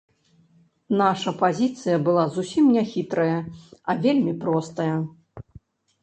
Наша пазіцыя была зусім не хітрая, а вельмі простая.